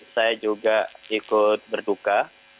saya juga ikut berduka